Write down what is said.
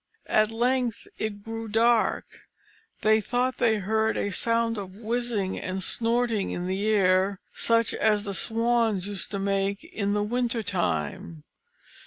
At length it grew dark; they thought they heard a sound of whizzing and snorting in the air, such as the swans used to make in the winter time.